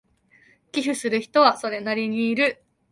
寄付する人はそれなりにいる